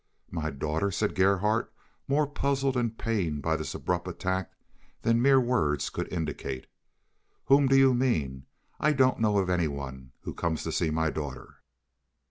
"My daughter?" said Gerhardt, more puzzled and pained by this abrupt attack than mere words could indicate. "Whom do you mean? I don't know of any one who comes to see my daughter."